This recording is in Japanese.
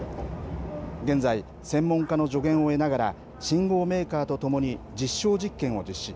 現在、専門家の助言を得ながら信号メーカーと共に実証実験を実施。